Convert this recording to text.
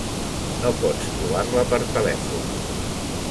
No pots trobar-la per telèfon.